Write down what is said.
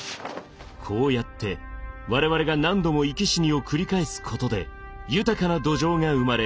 こうやって我々が何度も生き死にを繰り返すことで豊かな土壌が生まれ